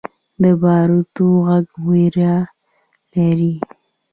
د باروتو غږ ویره لري.